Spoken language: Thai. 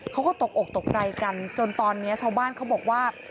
เขาก็ตกอกตกใจกันจนตอนนี้ชาวบ้านเขาบอกว่า